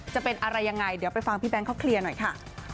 จะเป็นอะไรยังไงเดี๋ยวไปฟังพี่แบงค์เขาเคลียร์หน่อยค่ะ